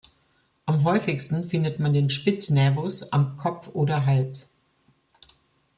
Am häufigsten findet man den Spitz-Nävus an Kopf oder Hals.